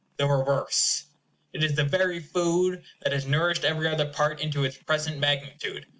The reverse. It is the very food that has nourished every other part into its present magnitude.